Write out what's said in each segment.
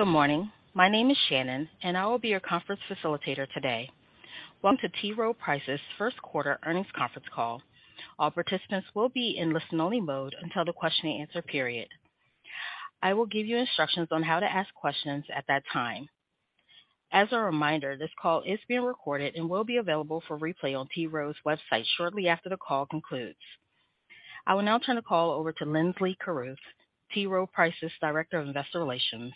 Good morning. My name is Shannon, and I will be your conference facilitator today. Welcome to T. Rowe Price's first quarter earnings conference call. All participants will be in listen-only mode until the question and answer period. I will give you instructions on how to ask questions at that time. As a reminder, this call is being recorded and will be available for replay on T. Rowe's website shortly after the call concludes. I will now turn the call over to Linsley Carruth, T. Rowe Price's Director of Investor Relations.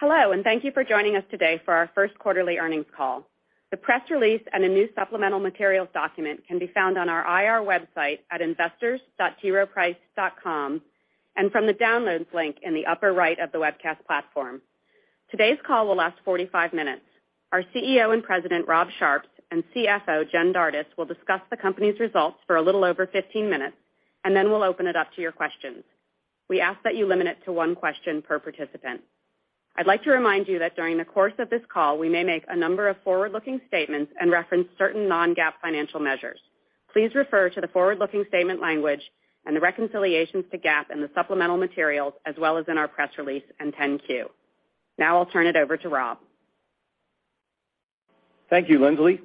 Hello, and thank you for joining us today for our first quarterly earnings call. The press release and a new supplemental materials document can be found on our IR website at investors.troweprice.com and from the downloads link in the upper right of the webcast platform. Today's call will last 45 minutes. Our CEO and President, Rob Sharps, and CFO, Jen Dardis, will discuss the company's results for a little over 15 minutes, and then we'll open it up to your questions. We ask that you limit it to one question per participant. I'd like to remind you that during the course of this call, we may make a number of forward-looking statements and reference certain non-GAAP financial measures. Please refer to the forward-looking statement language and the reconciliations to GAAP and the supplemental materials as well as in our press release and 10-Q. Now I'll turn it over to Rob. Thank you, Linsley.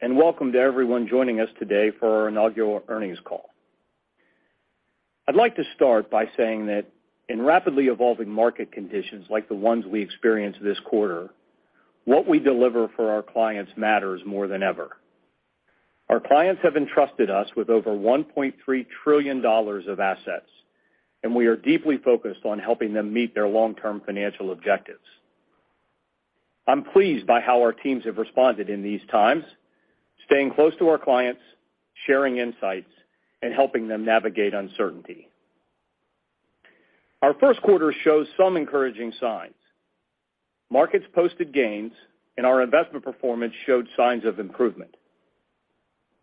Welcome to everyone joining us today for our inaugural earnings call. I'd like to start by saying that in rapidly evolving market conditions like the ones we experienced this quarter, what we deliver for our clients matters more than ever. Our clients have entrusted us with over $1.3 trillion of assets. We are deeply focused on helping them meet their long-term financial objectives. I'm pleased by how our teams have responded in these times, staying close to our clients, sharing insights, and helping them navigate uncertainty. Our first quarter shows some encouraging signs. Markets posted gains. Our investment performance showed signs of improvement.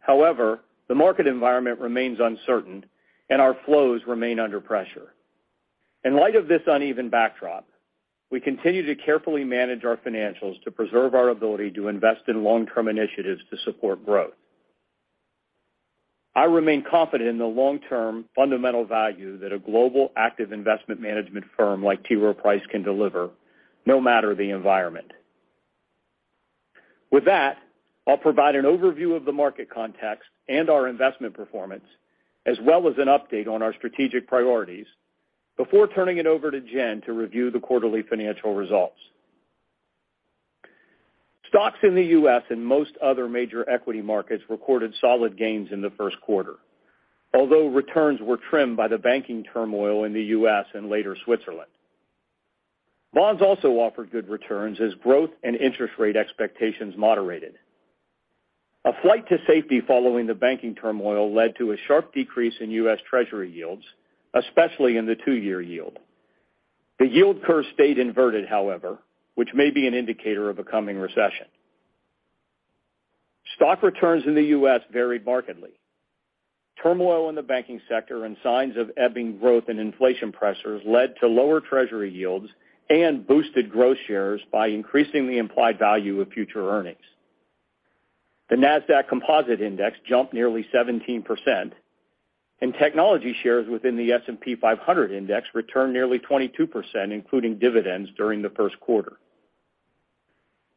However, the market environment remains uncertain. Our flows remain under pressure. In light of this uneven backdrop, we continue to carefully manage our financials to preserve our ability to invest in long-term initiatives to support growth. I remain confident in the long-term fundamental value that a global active investment management firm like T. Rowe Price can deliver no matter the environment. With that, I'll provide an overview of the market context and our investment performance, as well as an update on our strategic priorities before turning it over to Jen to review the quarterly financial results. Stocks in the U.S. and most other major equity markets recorded solid gains in the first quarter. Returns were trimmed by the banking turmoil in the U.S. and later Switzerland. Bonds also offered good returns as growth and interest rate expectations moderated. A flight to safety following the banking turmoil led to a sharp decrease in U.S. Treasury yields, especially in the two-year yield. The yield curve stayed inverted, however, which may be an indicator of a coming recession. Stock returns in the U.S. varied markedly. Turmoil in the banking sector and signs of ebbing growth and inflation pressures led to lower Treasury yields and boosted growth shares by increasing the implied value of future earnings. The Nasdaq Composite Index jumped nearly 17%, and technology shares within the S&P 500 index returned nearly 22%, including dividends, during the first quarter.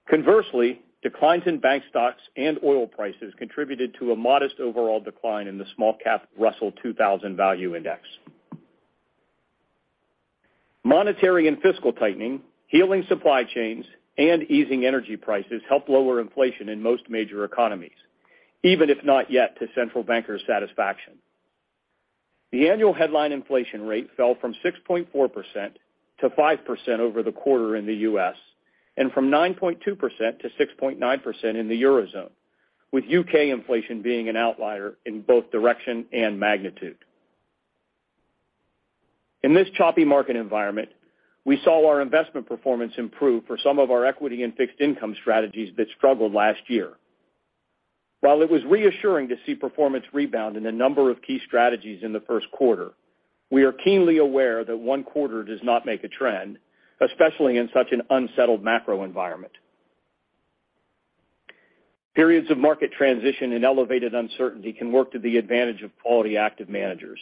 Conversely, declines in bank stocks and oil prices contributed to a modest overall decline in the small-cap Russell 2000 Value Index. Monetary and fiscal tightening, healing supply chains, and easing energy prices helped lower inflation in most major economies, even if not yet to central bankers' satisfaction. The annual headline inflation rate fell from 6.4%–5% over the quarter in the U.S. and from 9.2%–6.9% in the Eurozone, with U.K. inflation being an outlier in both direction and magnitude. In this choppy market environment, we saw our investment performance improve for some of our equity and fixed income strategies that struggled last year. While it was reassuring to see performance rebound in a number of key strategies in the first quarter, we are keenly aware that one quarter does not make a trend, especially in such an unsettled macro environment. Periods of market transition and elevated uncertainty can work to the advantage of quality active managers.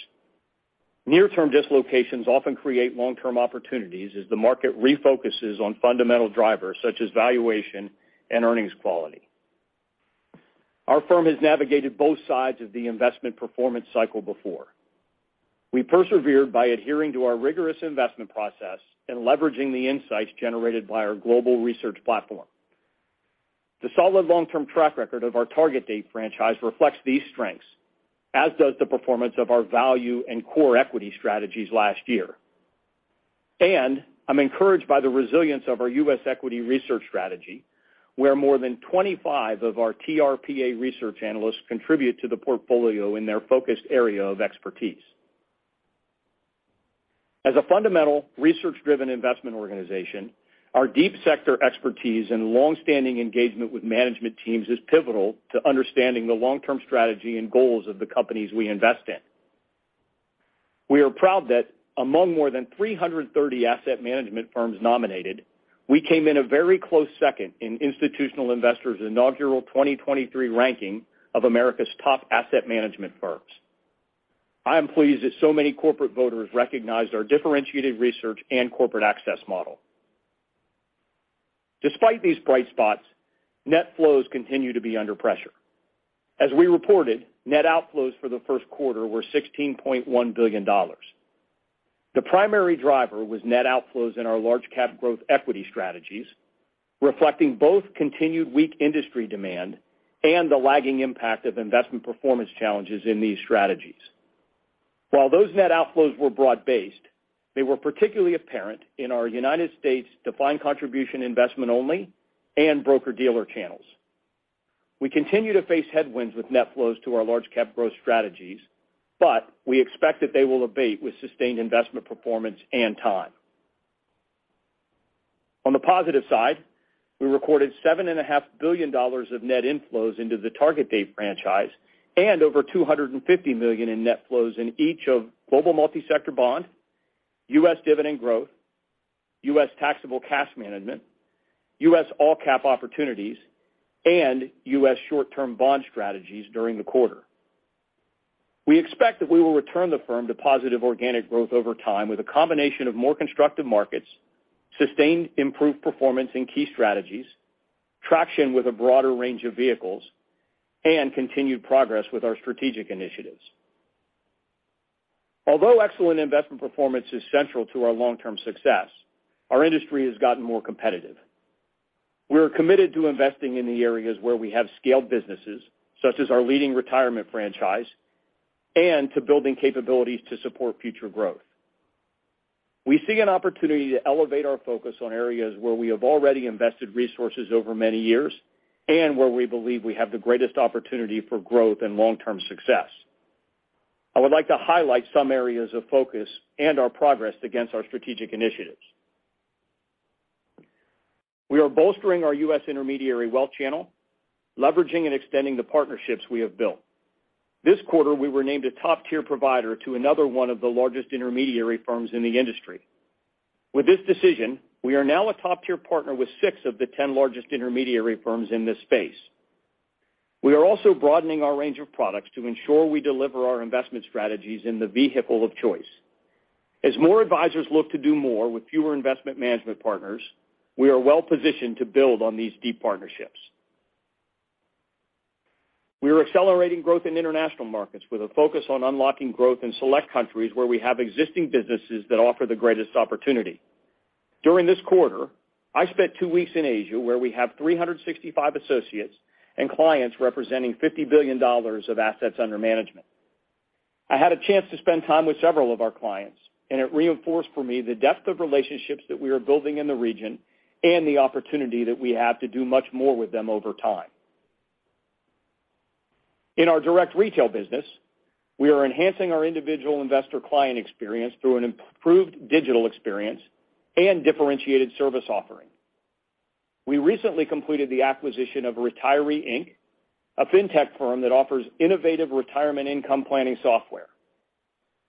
Near-term dislocations often create long-term opportunities as the market refocuses on fundamental drivers such as valuation and earnings quality. Our firm has navigated both sides of the investment performance cycle before. We persevered by adhering to our rigorous investment process and leveraging the insights generated by our global research platform. The solid long-term track record of our target-date franchise reflects these strengths, as does the performance of our value in core equity strategies last year. I'm encouraged by the resilience of our U.S. equity research strategy, where more than 25 of our TRPA research analysts contribute to the portfolio in their focused area of expertise. As a fundamental research-driven investment organization, our deep sector expertise and long-standing engagement with management teams is pivotal to understanding the long-term strategy and goals of the companies we invest in. We are proud that among more than 330 asset management firms nominated. We came in a very close second in Institutional Investor's inaugural 2023 ranking of America's top asset management firms. I am pleased that so many corporate voters recognized our differentiated research and corporate access model. Despite these bright spots, net flows continue to be under pressure. As we reported, net outflows for the first quarter were $16.1 billion. The primary driver was net outflows in our large-cap growth equity strategies, reflecting both continued weak industry demand and the lagging impact of investment performance challenges in these strategies. While those net outflows were broad-based, they were particularly apparent in our United States defined contribution investment only and broker-dealer channels. We continue to face headwinds with net flows to our large-cap growth strategies, but we expect that they will abate with sustained investment performance and time. On the positive side, we recorded $7.5 billion of net inflows into the target-date franchise and over $250 million in net flows in each of Global Multi-Sector Bond, U.S. Dividend Growth, U.S. Taxable Cash Management, U.S. All Cap Opportunities, and U.S. Short-Term Bond strategies during the quarter. We expect that we will return the firm to positive organic growth over time with a combination of more constructive markets, sustained improved performance in key strategies, traction with a broader range of vehicles, and continued progress with our strategic initiatives. Although excellent investment performance is central to our long-term success, our industry has gotten more competitive. We are committed to investing in the areas where we have scaled businesses, such as our leading retirement franchise, and to building capabilities to support future growth. We see an opportunity to elevate our focus on areas where we have already invested resources over many years and where we believe we have the greatest opportunity for growth and long-term success. I would like to highlight some areas of focus and our progress against our strategic initiatives. We are bolstering our U.S. intermediary wealth channel, leveraging and extending the partnerships we have built. This quarter, we were named a top-tier provider to another one of the largest intermediary firms in the industry. With this decision, we are now a top-tier partner with six of the 10 largest intermediary firms in this space. We are also broadening our range of products to ensure we deliver our investment strategies in the vehicle of choice. As more advisors look to do more with fewer investment management partners, we are well-positioned to build on these deep partnerships. We are accelerating growth in international markets with a focus on unlocking growth in select countries where we have existing businesses that offer the greatest opportunity. During this quarter, I spent 2 weeks in Asia, where we have 365 associates and clients representing $50 billion of assets under management. I had a chance to spend time with several of our clients, and it reinforced for me the depth of relationships that we are building in the region and the opportunity that we have to do much more with them over time. In our direct retail business, we are enhancing our individual investor client experience through an improved digital experience and differentiated service offering. We recently completed the acquisition of Retiree, Inc., a fintech firm that offers innovative retirement income planning software.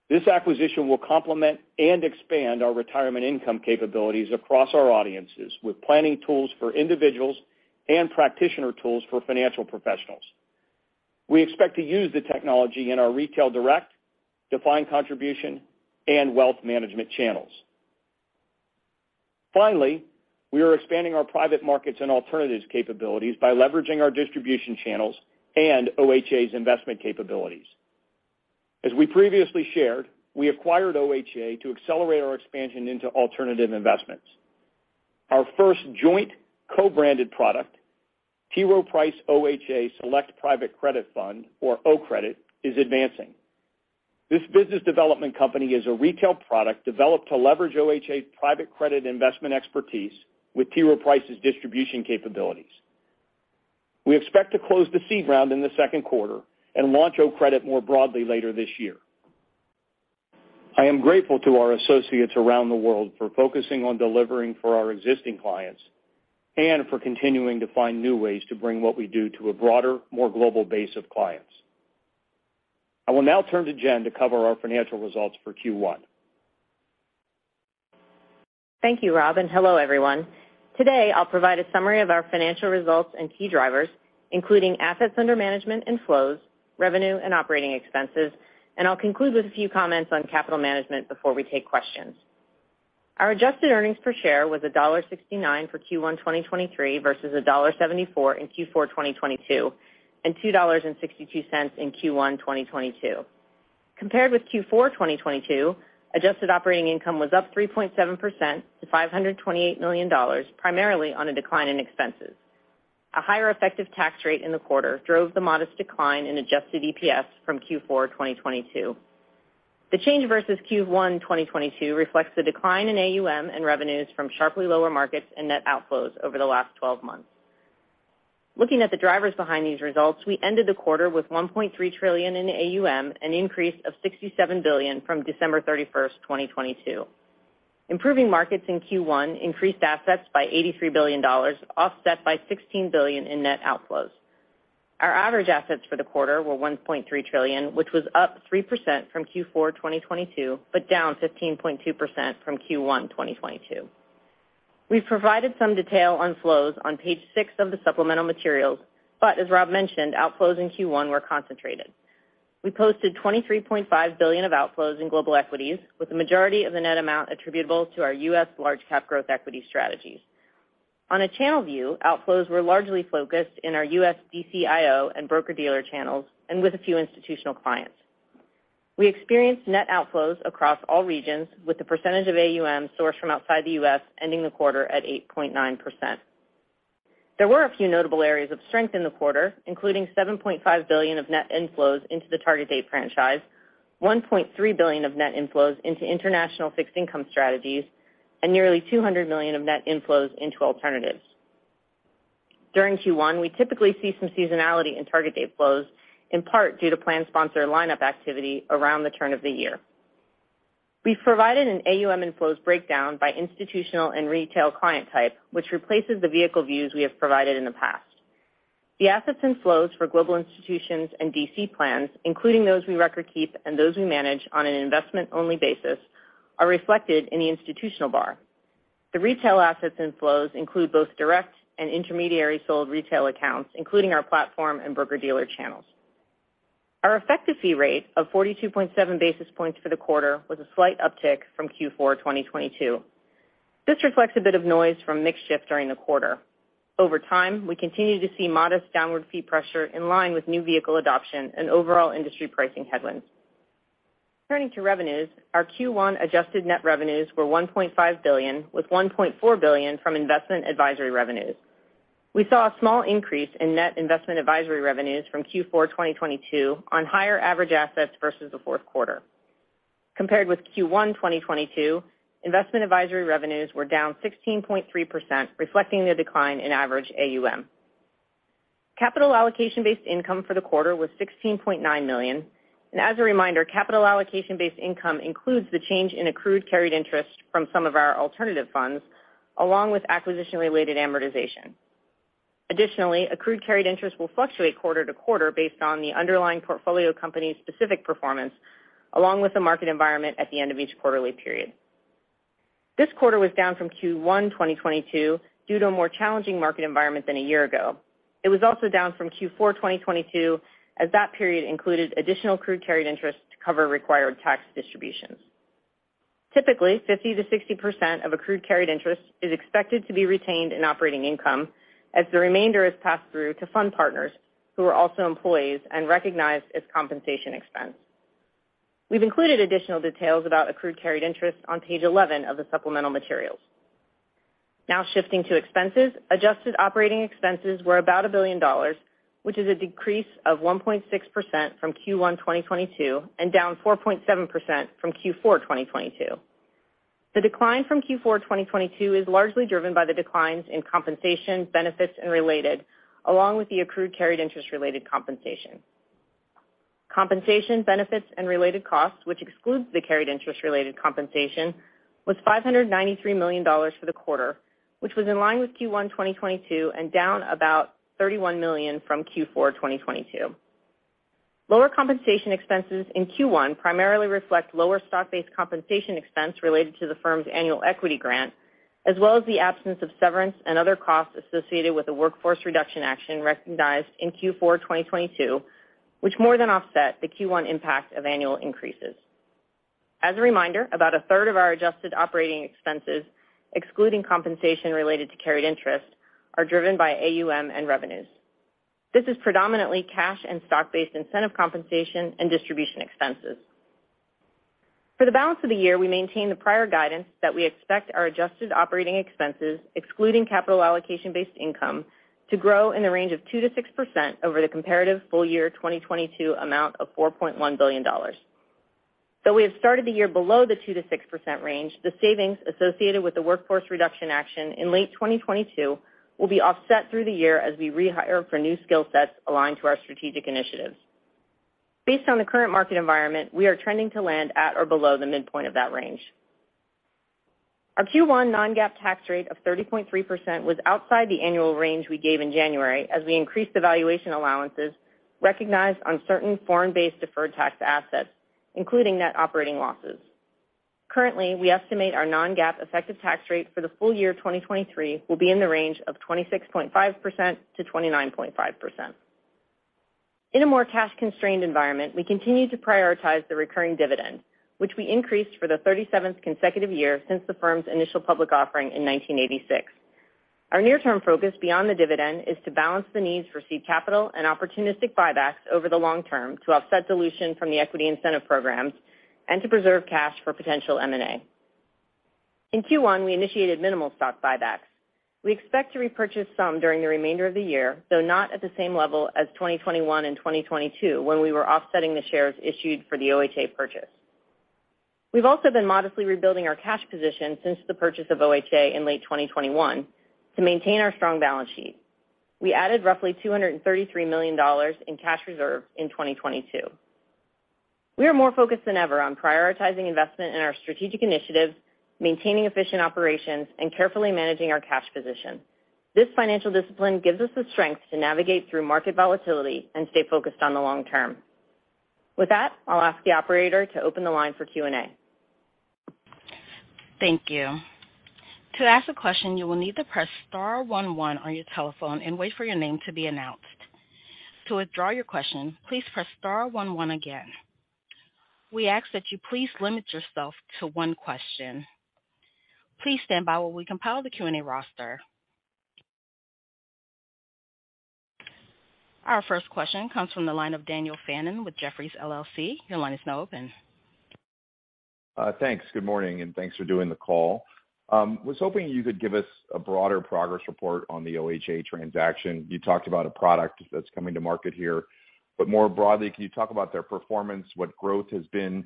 This acquisition will complement and expand our retirement income capabilities across our audiences with planning tools for individuals and practitioner tools for financial professionals. We expect to use the technology in our retail direct, defined contribution, and wealth management channels. Finally, we are expanding our private markets and alternatives capabilities by leveraging our distribution channels and OHA's investment capabilities. As we previously shared, we acquired OHA to accelerate our expansion into alternative investments. Our first joint co-branded product, T. Rowe Price OHA Select Private Credit Fund, or OCREDIT, is advancing. This business development company is a retail product developed to leverage OHA's private credit investment expertise with T. Rowe Price's distribution capabilities. We expect to close the seed round in the second quarter and launch OCREDIT more broadly later this year. I am grateful to our associates around the world for focusing on delivering for our existing clients and for continuing to find new ways to bring what we do to a broader, more global base of clients. I will now turn to Jen to cover our financial results for Q1. Thank you, Rob, and hello, everyone. Today, I'll provide a summary of our financial results and key drivers, including assets under management and flows, revenue and operating expenses, and I'll conclude with a few comments on capital management before we take questions. Our adjusted earnings per share was $1.69 for Q1 2023 versus $1.74 in Q4 2022 and $2.62 in Q1 2022. Compared with Q4 2022, adjusted operating income was up 3.7% to $528 million, primarily on a decline in expenses. A higher effective tax rate in the quarter drove the modest decline in adjusted EPS from Q4 2022. The change versus Q1 2022 reflects the decline in AUM and revenues from sharply lower markets and net outflows over the last 12 months. Looking at the drivers behind these results, we ended the quarter with $1.3 trillion in AUM, an increase of $67 billion from December 31, 2022. Improving markets in Q1 increased assets by $83 billion, offset by $16 billion in net outflows. Our average assets for the quarter were $1.3 trillion, which was up 3% from Q4 2022, but down 15.2% from Q1 2022. We've provided some detail on flows on page 6 of the supplemental materials, but as Rob mentioned, outflows in Q1 were concentrated. We posted $23.5 billion of outflows in global equities, with the majority of the net amount attributable to our U.S. large-cap growth equity strategies. On a channel view, outflows were largely focused in our U.S. DCIO and broker-dealer channels and with a few institutional clients. We experienced net outflows across all regions, with the percentage of AUM sourced from outside the U.S. ending the quarter at 8.9%. There were a few notable areas of strength in the quarter, including $7.5 billion of net inflows into the target-date franchise, $1.3 billion of net inflows into international fixed income strategies, and nearly $200 million of net inflows into alternatives. During Q1, we typically see some seasonality in target date flows, in part due to plan sponsor lineup activity around the turn of the year. We've provided an AUM inflows breakdown by institutional and retail client type, which replaces the vehicle views we have provided in the past. The assets inflows for global institutions and DC plans, including those we recordkeep and those we manage on an investment-only basis, are reflected in the institutional bar. The retail assets inflows include both direct and intermediary sold retail accounts, including our platform and broker-dealer channels. Our effective fee rate of 42.7 basis points for the quarter was a slight uptick from Q4 2022. This reflects a bit of noise from mix shift during the quarter. Over time, we continue to see modest downward fee pressure in line with new vehicle adoption and overall industry pricing headwinds. Turning to revenues, our Q1 adjusted net revenues were $1.5 billion, with $1.4 billion from investment advisory revenues. We saw a small increase in net investment advisory revenues from Q4 2022 on higher average assets versus the fourth quarter. Compared with Q1 2022, investment advisory revenues were down 16.3%, reflecting the decline in average AUM. Capital allocation-based income for the quarter was $16.9 million. As a reminder, capital allocation-based income includes the change in accrued carried interest from some of our alternative funds, along with acquisition-related amortization. Additionally, accrued carried interest will fluctuate quarter to quarter based on the underlying portfolio companys' specific performance, along with the market environment at the end of each quarterly period. This quarter was down from Q1 2022 due to a more challenging market environment than a year ago. It was also down from Q4 2022, as that period included additional accrued carried interest to cover required tax distributions. Typically, 50%-60% of accrued carried interest is expected to be retained in operating income as the remainder is passed through to fund partners who are also employees and recognized as compensation expense. We've included additional details about accrued carried interest on page 11 of the supplemental materials. Now shifting to expenses, adjusted operating expenses were about $1 billion, which is a decrease of 1.6% from Q1 2022 and down 4.7% from Q4 2022. The decline from Q4 2022 is largely driven by the declines in compensation, benefits, and related, along with the accrued carried interest-related compensation. Compensation, benefits, and related costs, which excludes the carried interest-related compensation, was $593 million for the quarter, which was in line with Q1 2022 and down about $31 million from Q4 2022. Lower compensation expenses in Q1 primarily reflect lower stock-based compensation expense related to the firm's annual equity grant, as well as the absence of severance and other costs associated with the workforce reduction action recognized in Q4 2022, which more than offset the Q1 impact of annual increases. As a reminder, about a third of our adjusted operating expenses, excluding compensation related to carried interest, are driven by AUM and revenues. This is predominantly cash and stock-based incentive compensation and distribution expenses. For the balance of the year, we maintain the prior guidance that we expect our adjusted operating expenses, excluding capital allocation-based income, to grow in the range of 2%–6% over the comparative full year 2022 amount of $4.1 billion. We have started the year below the 2%–6% range, the savings associated with the workforce reduction action in late 2022 will be offset through the year as we rehire for new skill sets aligned to our strategic initiatives. Based on the current market environment, we are trending to land at or below the midpoint of that range. Our Q1 non-GAAP tax rate of 30.3% was outside the annual range we gave in January as we increased the valuation allowances recognized on certain foreign-based deferred tax assets, including net operating losses. Currently, we estimate our non-GAAP effective tax rate for the full year 2023 will be in the range of 26.5%-29.5%. In a more cash-constrained environment, we continue to prioritize the recurring dividend, which we increased for the 37th consecutive year since the firm's initial public offering in 1986. Our near-term focus beyond the dividend is to balance the needs for seed capital and opportunistic buybacks over the long term to offset dilution from the equity incentive programs and to preserve cash for potential M&A. In Q1, we initiated minimal stock buybacks. We expect to repurchase some during the remainder of the year, though not at the same level as 2021 and 2022, when we were offsetting the shares issued for the OHA purchase. We've also been modestly rebuilding our cash position since the purchase of OHA in late 2021 to maintain our strong balance sheet. We added roughly $233 million in cash reserves in 2022. We are more focused than ever on prioritizing investment in our strategic initiatives, maintaining efficient operations and carefully managing our cash position. This financial discipline gives us the strength to navigate through market volatility and stay focused on the long term. I'll ask the operator to open the line for Q&A. Thank you. To ask a question, you will need to press star one one on your telephone and wait for your name to be announced. To withdraw your question, please press star one one again. We ask that you please limit yourself to one question. Please stand by while we compile the Q&A roster. Our first question comes from the line of Daniel Fannon with Jefferies LLC. Your line is now open. Thanks. Good morning, and thanks for doing the call. Was hoping you could give us a broader progress report on the OHA transaction. You talked about a product that's coming to market here, but more broadly, can you talk about their performance? What growth has been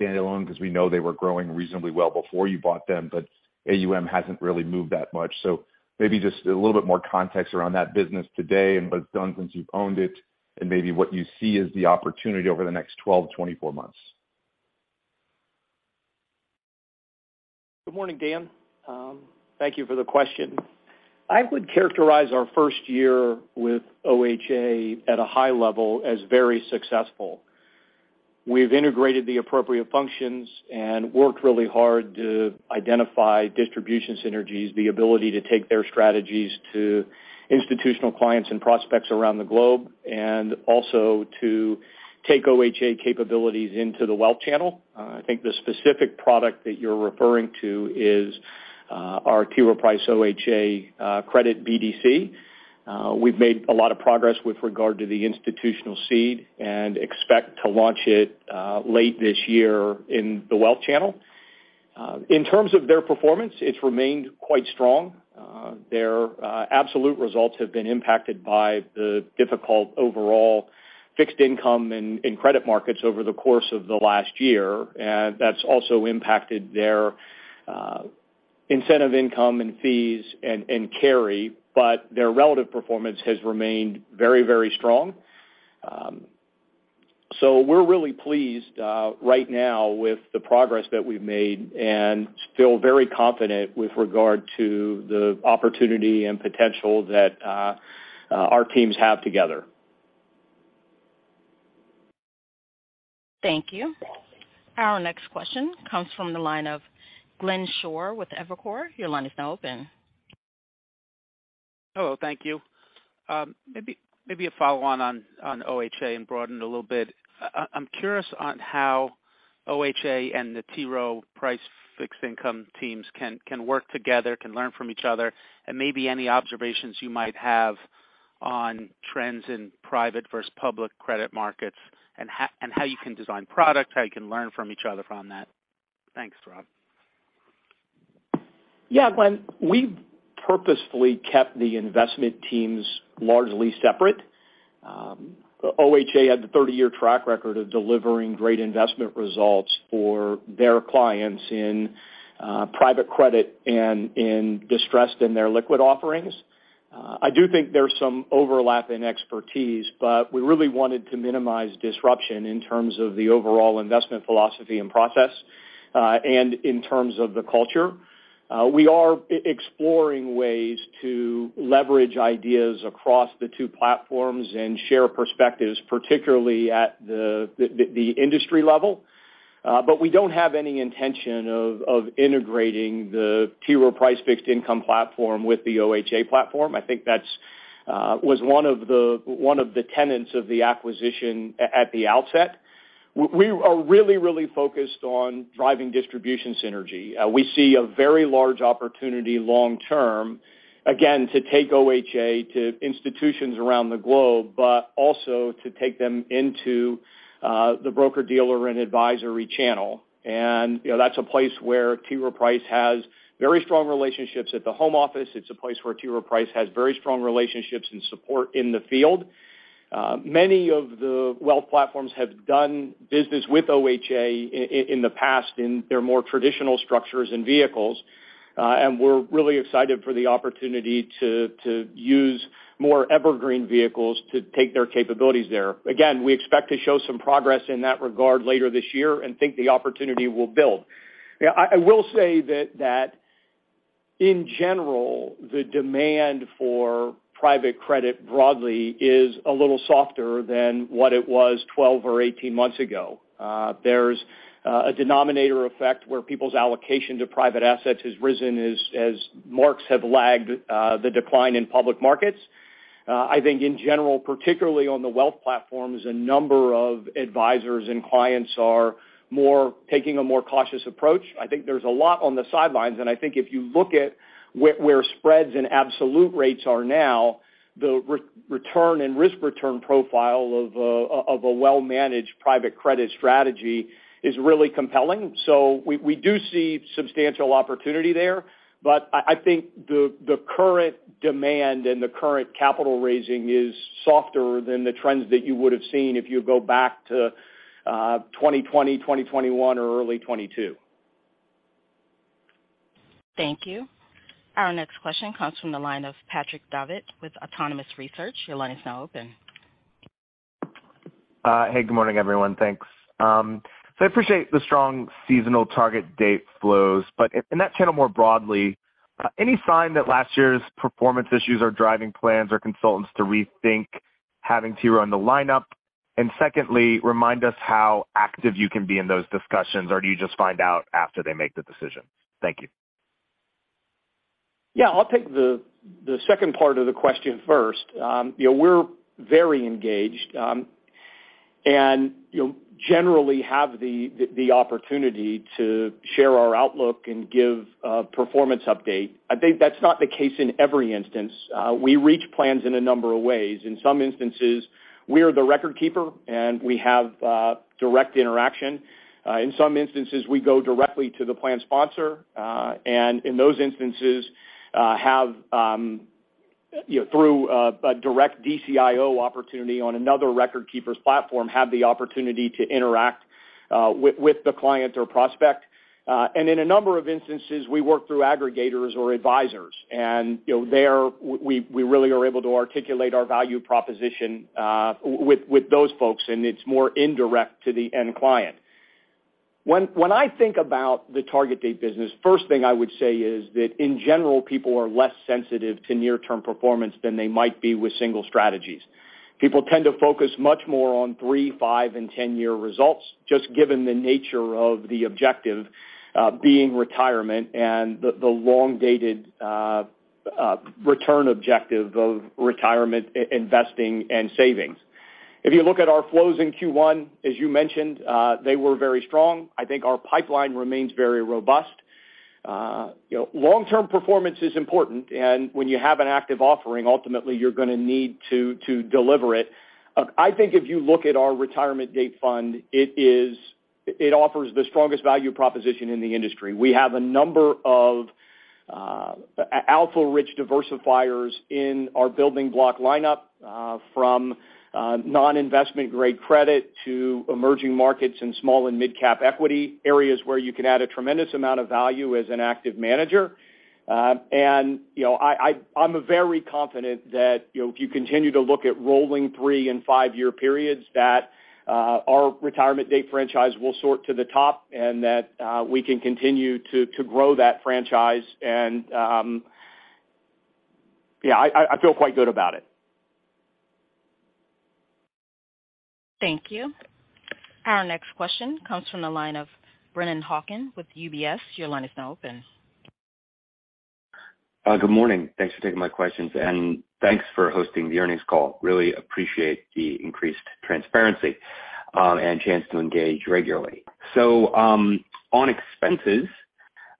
standalone? Because we know they were growing reasonably well before you bought them, but AUM hasn't really moved that much. Maybe just a little bit more context around that business today and what it's done since you've owned it and maybe what you see as the opportunity over the next 12–24 months. Good morning, Dan. Thank you for the question. I would characterize our first year with OHA at a high level as very successful. We've integrated the appropriate functions and worked really hard to identify distribution synergies, the ability to take their strategies to institutional clients and prospects around the globe, and also to take OHA capabilities into the wealth channel. I think the specific product that you're referring to is our T. Rowe Price OHA credit BDC. We've made a lot of progress with regard to the institutional seed and expect to launch it late this year in the wealth channel. In terms of their performance, it's remained quite strong. Their absolute results have been impacted by the difficult overall fixed income and credit markets over the course of the last year. That's also impacted their incentive income and fees and carry. Their relative performance has remained very, very strong. We're really pleased right now with the progress that we've made and feel very confident with regard to the opportunity and potential that our teams have together. Thank you. Our next question comes from the line of Glenn Schorr with Evercore. Your line is now open. Hello. Thank you. Maybe a follow on OHA and broaden it a little bit. I'm curious on how OHA and the T. Rowe Price fixed income teams can work together, can learn from each other, and maybe any observations you might have on trends in private versus public credit markets and how you can design products, how you can learn from each other from that. Thanks, Rob. Yeah, Glenn, we purposefully kept the investment teams largely separate. OHA had the 30-year track record of delivering great investment results for their clients in private credit and in distressed in their liquid offerings. I do think there's some overlap in expertise, but we really wanted to minimize disruption in terms of the overall investment philosophy and process and in terms of the culture. We are exploring ways to leverage ideas across the two platforms and share perspectives, particularly at the industry level. We don't have any intention of integrating the T. Rowe Price fixed income platform with the OHA platform. I think that's was one of the tenants of the acquisition at the outset. We are really focused on driving distribution synergy. We see a very large opportunity long term, again, to take OHA to institutions around the globe, but also to take them into the broker-dealer and advisory channel. You know, that's a place where T. Rowe Price has very strong relationships at the home office. It's a place where T. Rowe Price has very strong relationships and support in the field. Many of the wealth platforms have done business with OHA in the past in their more traditional structures and vehicles. We're really excited for the opportunity to use more evergreen vehicles to take their capabilities there. Again, we expect to show some progress in that regard later this year and think the opportunity will build. I will say that in general, the demand for private credit broadly is a little softer than what it was 12 or 18 months ago. There's a denominator effect where people's allocation to private assets has risen as marks have lagged the decline in public markets. I think in general, particularly on the wealth platforms, a number of advisors and clients are taking a more cautious approach. I think there's a lot on the sidelines, and I think if you look at where spreads and absolute rates are now, the return and risk return profile of a well-managed private credit strategy is really compelling. We do see substantial opportunity there. I think the current demand and the current capital raising is softer than the trends that you would have seen if you go back to, 2020, 2021 or early 2022. Thank you. Our next question comes from the line of Patrick Davitt with Autonomous Research. Your line is now open. Hey, good morning, everyone. Thanks. I appreciate the strong seasonal target date flows. In that channel, more broadly, any sign that last year's performance issues are driving plans or consultants to rethink having T. Rowe in the lineup? Secondly, remind us how active you can be in those discussions, or do you just find out after they make the decision? Thank you. Yeah, I'll take the second part of the question first. You know, we're very engaged, and, you know, generally have the opportunity to share our outlook and give a performance update. I think that's not the case in every instance. We reach plans in a number of ways. In some instances, we are the record keeper, we have direct interaction. In some instances, we go directly to the plan sponsor, in those instances, have, you know, through a direct DCIO opportunity on another record keeper's platform, have the opportunity to interact with the client or prospect. In a number of instances, we work through aggregators or advisors. You know, we really are able to articulate our value proposition with those folks, and it's more indirect to the end client. When I think about the target date business, first thing I would say is that in general, people are less sensitive to near-term performance than they might be with single strategies. People tend to focus much more on 3, 5, and 10-year results, just given the nature of the objective, being retirement and the long-dated return objective of retirement investing and savings. If you look at our flows in Q1, as you mentioned, they were very strong. I think our pipeline remains very robust. You know, long-term performance is important, and when you have an active offering, ultimately you're gonna need to deliver it. I think if you look at our retirement date fund, it offers the strongest value proposition in the industry. We have a number of alpha-rich diversifiers in our building block lineup, from non-investment grade credit to emerging markets in small and mid cap equity areas where you can add a tremendous amount of value as an active manager. You know, I'm very confident that, you know, if you continue to look at rolling 3 and 5-year periods, that our retirement date franchise will sort to the top and that we can continue to grow that franchise. Yeah, I feel quite good about it. Thank you. Our next question comes from the line of Brennan Hawken with UBS. Your line is now open. Good morning. Thanks for taking my questions, and thanks for hosting the earnings call. Really appreciate the increased transparency, and chance to engage regularly. On expenses,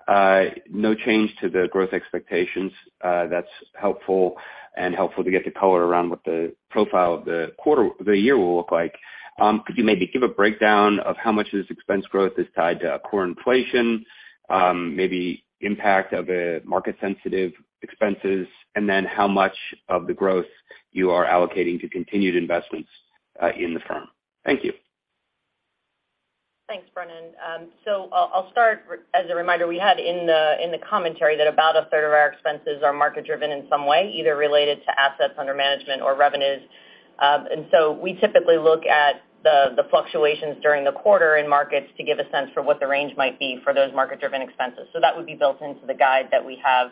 no change to the growth expectations. That's helpful and helpful to get the color around what the profile of the year will look like. Could you maybe give a breakdown of how much of this expense growth is tied to core inflation, maybe impact of the market sensitive expenses, and then how much of the growth you are allocating to continued investments in the firm? Thank you. Thanks, Brennan. I'll start. As a reminder, we had in the commentary that about a third of our expenses are market driven in some way, either related to assets under management or revenues. We typically look at the fluctuations during the quarter in markets to give a sense for what the range might be for those market-driven expenses. That would be built into the guide that we have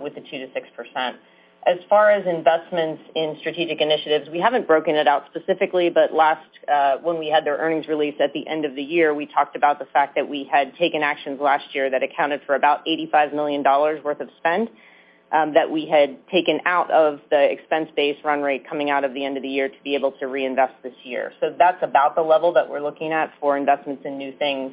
with the 2%-6%. As far as investments in strategic initiatives, we haven't broken it out specifically, but last. When we had their earnings release at the end of the year, we talked about the fact that we had taken actions last year that accounted for about $85 million worth of spend, that we had taken out of the expense-based run rate coming out of the end of the year to be able to reinvest this year. That's about the level that we're looking at for investments in new things.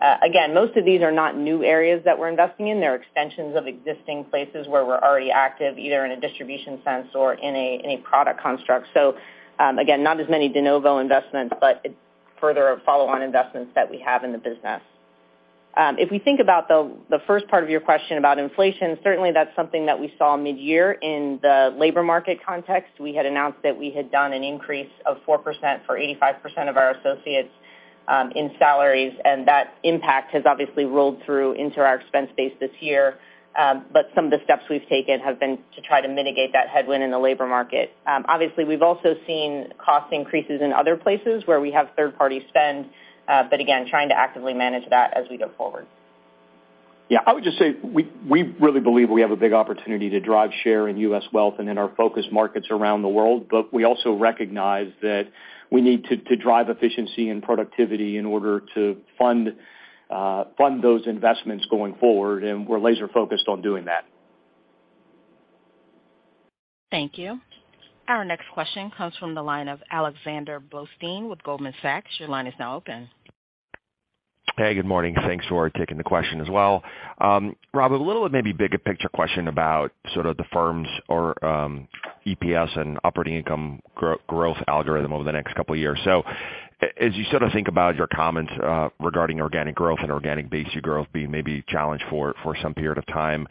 Again, most of these are not new areas that we're investing in. They're extensions of existing places where we're already active, either in a distribution sense or in a, in a product construct. Again, not as many de novo investments, but it's further follow-on investments that we have in the business. If we think about the first part of your question about inflation, certainly that's something that we saw mid-year in the labor market context. We had announced that we had done an increase of 4% for 85% of our associates in salaries. That impact has obviously rolled through into our expense base this year. Some of the steps we've taken have been to try to mitigate that headwind in the labor market. Obviously, we've also seen cost increases in other places where we have third-party spend. Again, trying to actively manage that as we go forward. Yeah. I would just say we really believe we have a big opportunity to drive share in U.S. wealth and in our focus markets around the world. We also recognize that we need to drive efficiency and productivity in order to fund those investments going forward. We're laser focused on doing that. Thank you. Our next question comes from the line of Alexander Blostein with Goldman Sachs. Your line is now open. Hey, good morning. Thanks for taking the question as well. Rob, a little maybe bigger picture question about sort of the firm's EPS and operating income growth algorithm over the next couple of years. As you sort of think about your comments, regarding organic growth and organic BDC growth being maybe challenged for some period of time.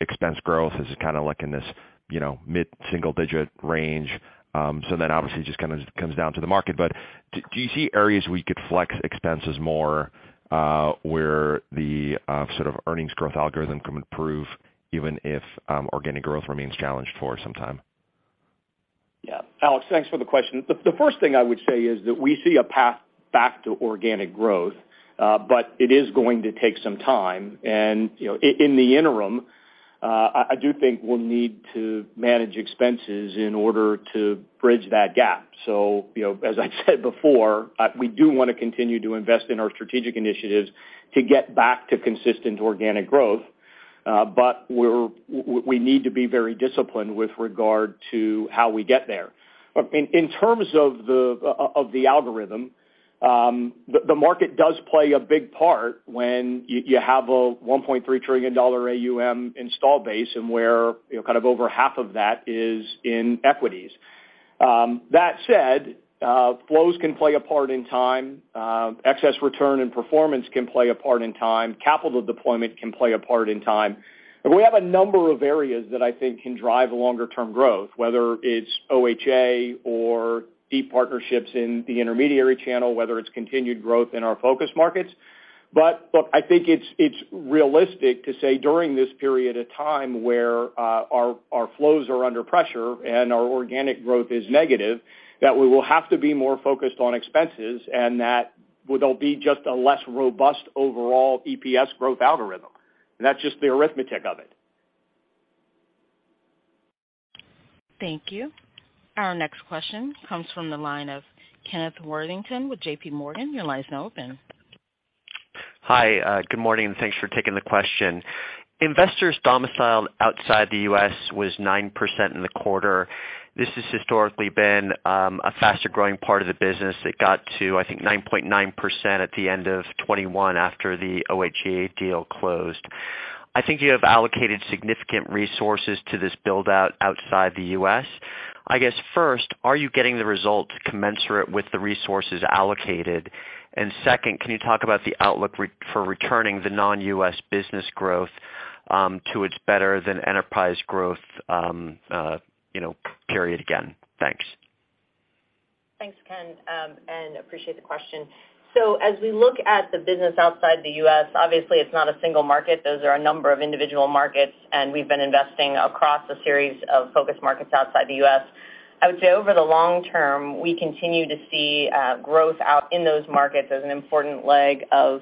Expense growth is kind of like in this, you know, mid-single digit range. Obviously just kind of comes down to the market. Do you see areas where you could flex expenses more, where the sort of earnings growth algorithm can improve even if organic growth remains challenged for some time? Yeah. Alex, thanks for the question. The first thing I would say is that we see a path back to organic growth, but it is going to take some time. You know, in the interim, I do think we'll need to manage expenses in order to bridge that gap. You know, as I said before, we do want to continue to invest in our strategic initiatives to get back to consistent organic growth. We need to be very disciplined with regard to how we get there. In terms of the of the algorithm, the market does play a big part when you have a $1.3 trillion AUM installed base and where, you know, kind of over half of that is in equities. That said, flows can play a part in time, excess return and performance can play a part in time, capital deployment can play a part in time. We have a number of areas that I think can drive longer term growth, whether it's OHA or deep partnerships in the intermediary channel, whether it's continued growth in our focus markets. Look, I think it's realistic to say during this period of time where our flows are under pressure and our organic growth is negative, that we will have to be more focused on expenses and that there'll be just a less robust overall EPS growth algorithm. That's just the arithmetic of it. Thank you. Our next question comes from the line of Kenneth Worthington with JPMorgan. Your line is now open. Hi, good morning, and thanks for taking the question. Investors domiciled outside the U.S. was 9% in the quarter. This has historically been a faster-growing part of the business that got to, I think, 9.9% at the end of 2021 after the OHA deal closed. I think you have allocated significant resources to this build-out outside the U.S. I guess, first, are you getting the results commensurate with the resources allocated? Second, can you talk about the outlook for returning the non-U.S. business growth, you know, period again? Thanks. Thanks, Ken. Appreciate the question. As we look at the business outside the U.S., obviously it's not a single market. Those are a number of individual markets, and we've been investing across a series of focus markets outside the U.S. I would say over the long term, we continue to see growth out in those markets as an important leg of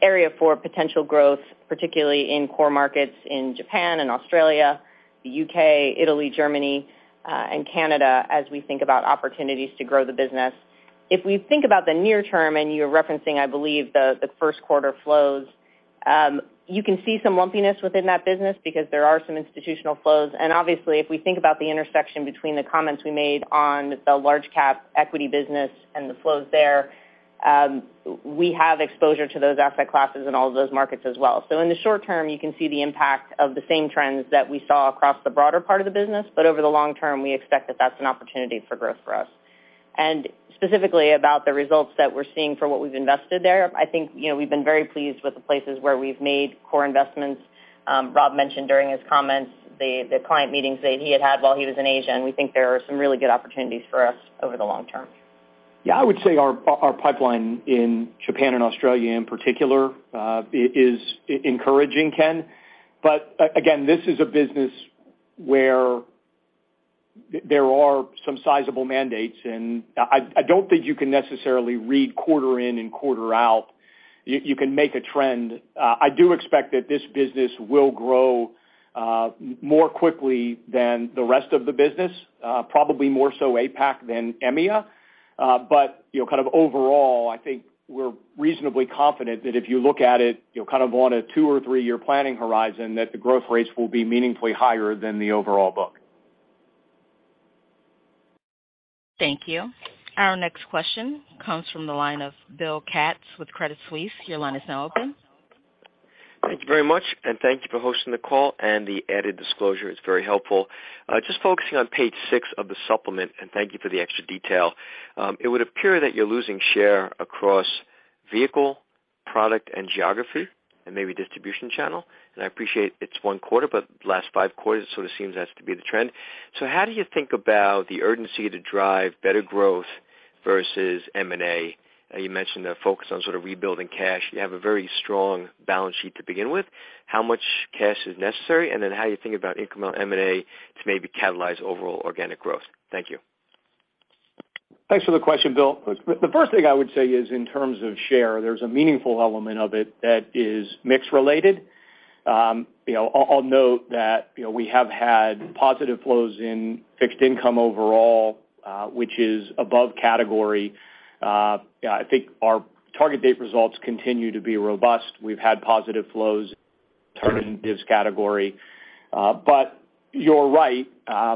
area for potential growth, particularly in core markets in Japan and Australia, the U.K., Italy, Germany, and Canada, as we think about opportunities to grow the business. If we think about the near term, and you're referencing, I believe, the first quarter flows, you can see some lumpiness within that business because there are some institutional flows. If we think about the intersection between the comments we made on the large cap equity business and the flows there, we have exposure to those asset classes in all of those markets as well. In the short term, you can see the impact of the same trends that we saw across the broader part of the business. Over the long term, we expect that that's an opportunity for growth for us. Specifically about the results that we're seeing for what we've invested there, I think, you know, we've been very pleased with the places where we've made core investments. Rob mentioned during his comments the client meetings that he had had while he was in Asia, and we think there are some really good opportunities for us over the long term. Yeah. I would say our pipeline in Japan and Australia in particular, is encouraging, Ken. But again, this is a business where there are some sizable mandates, and I don't think you can necessarily read quarter in and quarter out. You can make a trend. I do expect that this business will grow more quickly than the rest of the business, probably more so APAC than EMEA. But, you know, kind of overall, I think we're reasonably confident that if you look at it, you know, kind of on a 2 or 3-year planning horizon, that the growth rates will be meaningfully higher than the overall book. Thank you. Our next question comes from the line of Bill Katz with Credit Suisse. Your line is now open. Thank you very much, and thank you for hosting the call and the added disclosure. It's very helpful. Just focusing on page 6 of the supplement, and thank you for the extra detail. It would appear that you're losing share across vehicle, product and geography and maybe distribution channel. I appreciate it's one quarter, but the last 5 quarters, it sort of seems that's to be the trend. How do you think about the urgency to drive better growth versus M&A? You mentioned a focus on sort of rebuilding cash. You have a very strong balance sheet to begin with. How much cash is necessary? How you think about incremental M&A to maybe catalyze overall organic growth. Thank you. Thanks for the question, Bill. The first thing I would say is in terms of share, there's a meaningful element of it that is mix related. You know, I'll note that, you know, we have had positive flows in fixed income overall, which is above category. I think our target date results continue to be robust. We've had positive flows turning this category. You're right.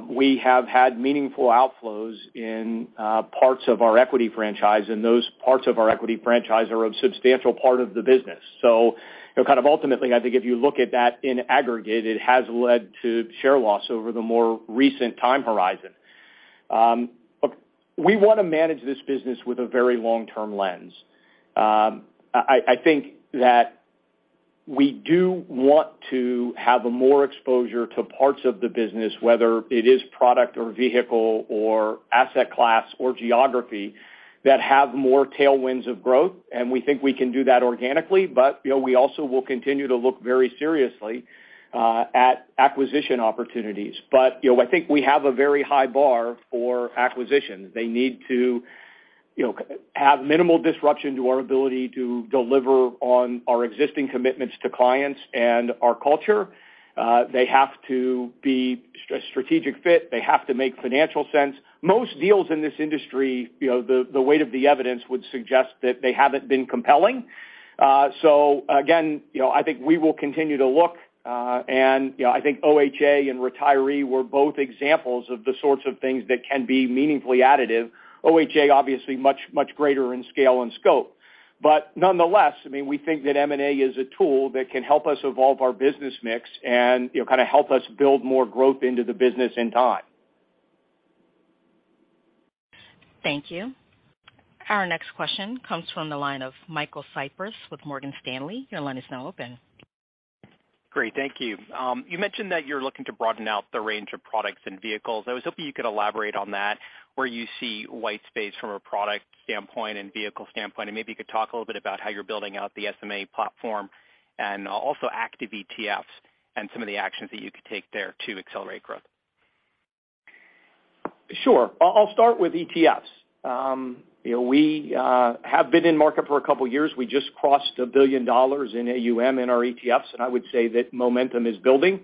We have had meaningful outflows in parts of our equity franchise, and those parts of our equity franchise are a substantial part of the business. You know, kind of ultimately, I think if you look at that in aggregate, it has led to share loss over the more recent time horizon. We want to manage this business with a very long-term lens. I think that we do want to have more exposure to parts of the business, whether it is product or vehicle or asset class or geography, that have more tailwinds of growth, and we think we can do that organically. You know, we also will continue to look very seriously at acquisition opportunities. You know, I think we have a very high bar for acquisitions. They need to, you know, have minimal disruption to our ability to deliver on our existing commitments to clients and our culture. They have to be a strategic fit. They have to make financial sense. Most deals in this industry, you know, the weight of the evidence would suggest that they haven't been compelling. Again, you know, I think we will continue to look, and, you know, I think OHA and Retiree were both examples of the sorts of things that can be meaningfully additive. OHA, obviously much, much greater in scale and scope. Nonetheless, I mean, we think that M&A is a tool that can help us evolve our business mix and, you know, kind of help us build more growth into the business in time. Thank you. Our next question comes from the line of Michael Cyprys with Morgan Stanley. Your line is now open. Great, thank you. You mentioned that you're looking to broaden out the range of products and vehicles. I was hoping you could elaborate on that, where you see white space from a product standpoint and vehicle standpoint, and maybe you could talk a little bit about how you're building out the SMA platform and also active ETFs and some of the actions that you could take there to accelerate growth? Sure. I'll start with ETFs. You know, we have been in market for a couple years. We just crossed $1 billion in AUM in our ETFs. I would say that momentum is building.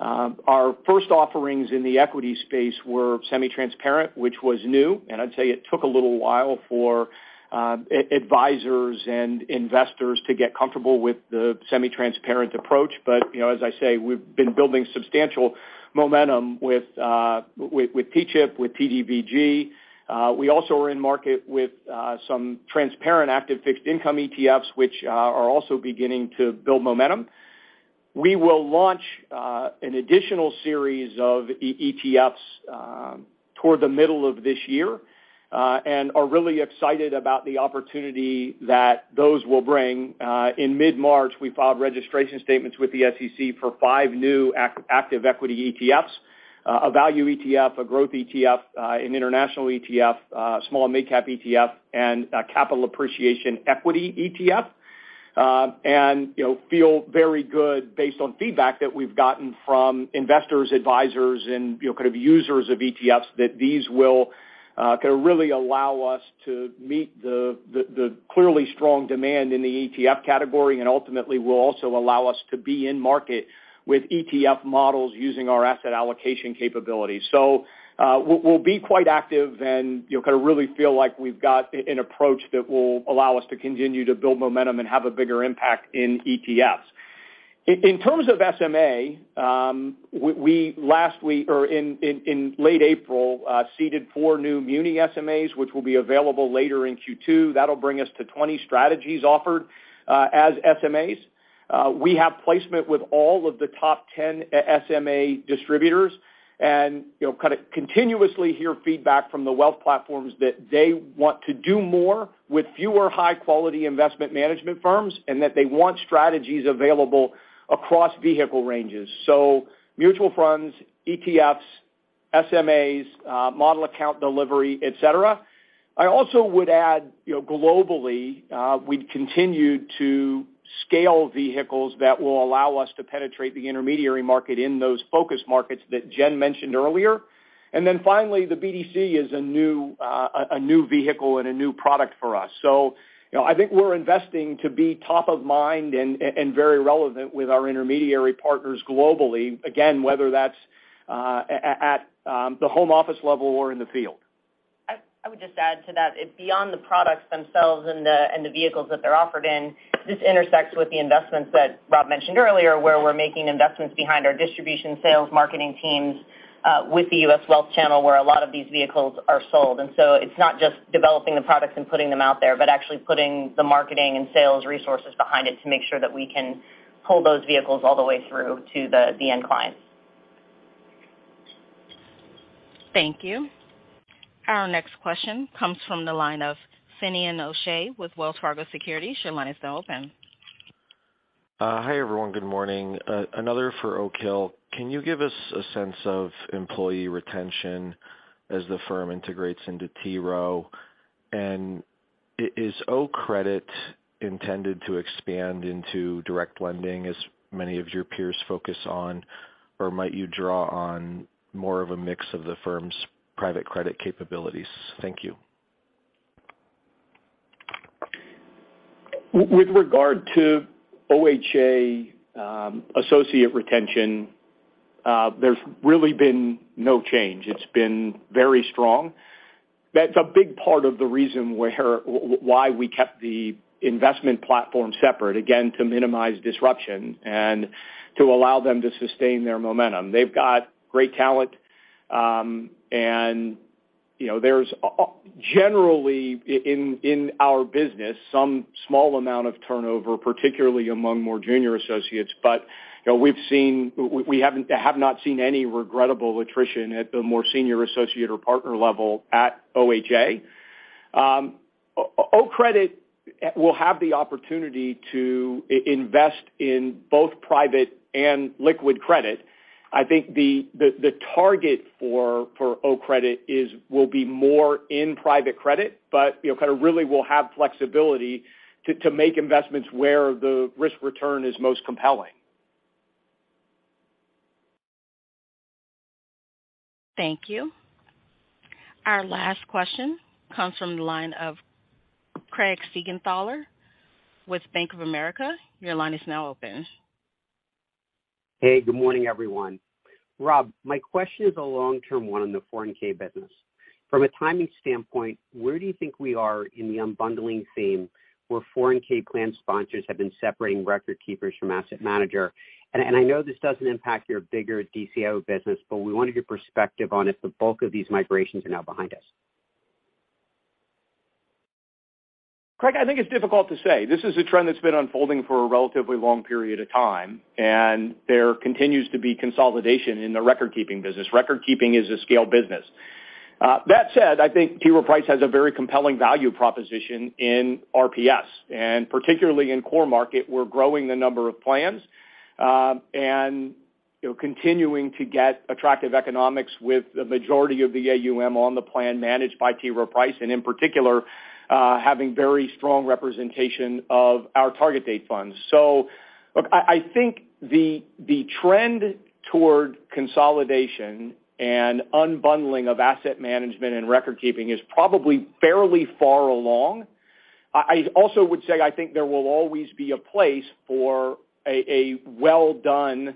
Our first offerings in the equity space were semi-transparent, which was new. I'd say it took a little while for advisors and investors to get comfortable with the semi-transparent approach. you know, as I say, we've been building substantial momentum with TCHP, with TDVG. We also are in market with some transparent active fixed income ETFs, which are also beginning to build momentum. We will launch an additional series of ETFs toward the middle of this year. We are really excited about the opportunity that those will bring. In mid-March, we filed registration statements with the SEC for five new active equity ETFs, a value ETF, a growth ETF, an international ETF, small- and mid-cap ETF, and a capital appreciation equity ETF. You know, feel very good based on feedback that we've gotten from investors, advisors and, you know, kind of users of ETFs that these will, kind of really allow us to meet the clearly strong demand in the ETF category and ultimately will also allow us to be in market with ETF models using our asset allocation capabilities. We'll be quite active and, you know, kind of really feel like we've got an approach that will allow us to continue to build momentum and have a bigger impact in ETFs. In terms of SMA, we last week or in late April, seeded four new muni SMAs, which will be available later in Q2. That'll bring us to 20 strategies offered as SMAs. We have placement with all of the top 10 E-SMA distributors and, you know, kind of continuously hear feedback from the wealth platforms that they want to do more with fewer high-quality investment management firms, and that they want strategies available across vehicle ranges. Mutual funds, ETFs, SMAs, model account delivery, et cetera. I also would add, you know, globally, we'd continue to scale vehicles that will allow us to penetrate the intermediary market in those focus markets that Jen mentioned earlier. Finally, the BDC is a new vehicle and a new product for us. you know, I think we're investing to be top of mind and very relevant with our intermediary partners globally. Again, whether that's at the home office level or in the field. I would just add to that, it's beyond the products themselves and the vehicles that they're offered in, this intersects with the investments that Rob mentioned earlier, where we're making investments behind our distribution sales marketing teams, with the U.S. wealth channel, where a lot of these vehicles are sold. It's not just developing the products and putting them out there, but actually putting the marketing and sales resources behind it to make sure that we can pull those vehicles all the way through to the end clients. Thank you. Our next question comes from the line of Finian O'Shea with Wells Fargo Securities. Your line is now open. Hi, everyone. Good morning. Another for Oak Hill. Can you give us a sense of employee retention as the firm integrates into T. Rowe? Is OCREDIT intended to expand into direct lending as many of your peers focus on, or might you draw on more of a mix of the firm's private credit capabilities? Thank you. With regard to OHA, associate retention, there's really been no change. It's been very strong. That's a big part of the reason why we kept the investment platform separate, again, to minimize disruption and to allow them to sustain their momentum. They've got great talent, and, you know, there's generally in our business, some small amount of turnover, particularly among more junior associates. You know, we have not seen any regrettable attrition at the more senior associate or partner level at OHA. OCREDIT will have the opportunity to invest in both private and liquid credit. I think the target for OCREDIT is will be more in private credit, you know, kinda really will have flexibility to make investments where the risk return is most compelling. Thank you. Our last question comes from the line of Craig Siegenthaler with Bank of America. Your line is now open. Hey, good morning, everyone. Rob, my question is a long-term one on the 401(k) business. From a timing standpoint, where do you think we are in the unbundling theme where 401(k) plan sponsors have been separating record keepers from asset manager? I know this doesn't impact your bigger DCIO business, but we wanted your perspective on if the bulk of these migrations are now behind us. Craig, I think it's difficult to say. This is a trend that's been unfolding for a relatively long period of time, and there continues to be consolidation in the record-keeping business. Record-keeping is a scale business. That said, I think T. Rowe Price has a very compelling value proposition in RPS. Particularly in core market, we're growing the number of plans, and, you know, continuing to get attractive economics with the majority of the AUM on the plan managed by T. Rowe Price, and in particular, having very strong representation of our target date funds. Look, I think the trend toward consolidation and unbundling of asset management and record-keeping is probably fairly far along. I also would say I think there will always be a place for a well-done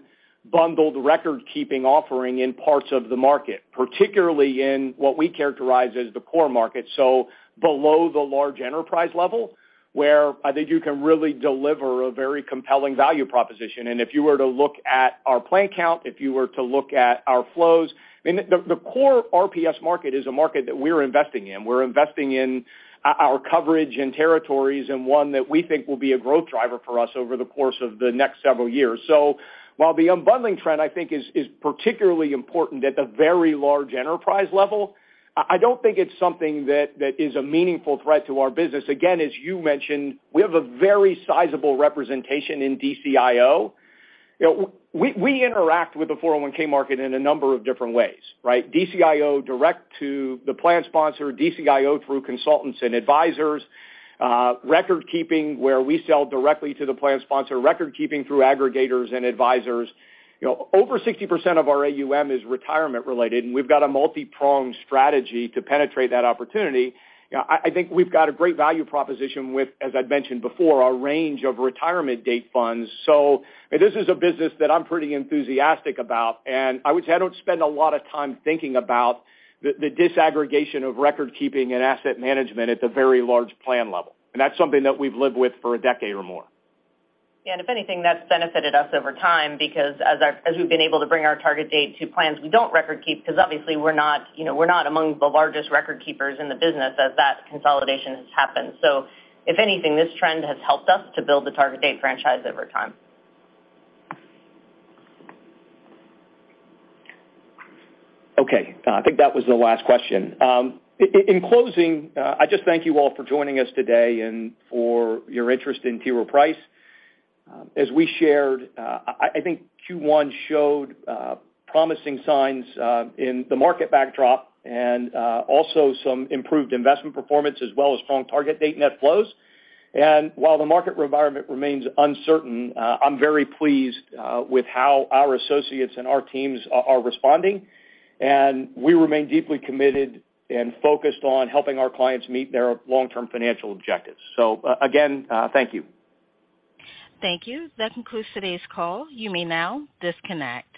bundled recordkeeping offering in parts of the market, particularly in what we characterize as the core market, so below the large enterprise level, where I think you can really deliver a very compelling value proposition. If you were to look at our plan count, if you were to look at our flows, I mean the core RPS market is a market that we're investing in. We're investing in our coverage and territories, and one that we think will be a growth driver for us over the course of the next several years. While the unbundling trend I think is particularly important at the very large enterprise level, I don't think it's something that is a meaningful threat to our business. Again, as you mentioned, we have a very sizable representation in DCIO. You know, we interact with the 401(k) market in a number of different ways, right? DCIO direct to the plan sponsor, DCIO through consultants and advisors, record keeping, where we sell directly to the plan sponsor, record keeping through aggregators and advisors. You know, over 60% of our AUM is retirement related, and we've got a multi-pronged strategy to penetrate that opportunity. You know, I think we've got a great value proposition with, as I'd mentioned before, our range of retirement date funds. I mean, this is a business that I'm pretty enthusiastic about, and I would say I don't spend a lot of time thinking about the disaggregation of record keeping and asset management at the very large plan level. That's something that we've lived with for a decade or more. Yeah. If anything, that's benefited us over time because as we've been able to bring our target date to plans we don't record keep because obviously we're not, you know, we're not among the largest record keepers in the business as that consolidation has happened. If anything, this trend has helped us to build the target-date franchise over time. Okay. I think that was the last question. In closing, I just thank you all for joining us today and for your interest in T. Rowe Price. As we shared, I think Q1 showed promising signs in the market backdrop and also some improved investment performance as well as strong target date net flows. While the market environment remains uncertain, I'm very pleased with how our associates and our teams are responding, and we remain deeply committed and focused on helping our clients meet their long-term financial objectives. Again, thank you. Thank you. That concludes today's call. You may now disconnect.